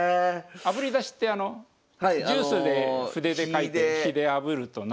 あぶり出しってあのジュースで筆で書いて火であぶると何かが出てくる。